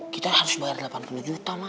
kita harus bayar delapan puluh juta